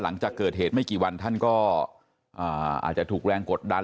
หลังจากเกิดเหตุไม่กี่วันท่านก็อาจจะถูกแรงกดดัน